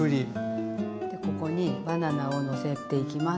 ここにバナナをのせていきます。